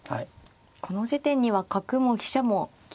この地点には角も飛車も利いているんですね。